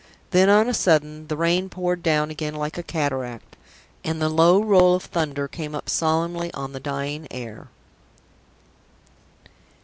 Then on a sudden the rain poured down again like a cataract, and the low roll of thunder came up solemnly on the dying air.